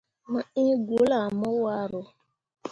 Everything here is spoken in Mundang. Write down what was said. Mo iŋ gwulle ah mo waro.